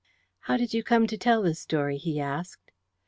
"How did you come to tell the story?" he asked.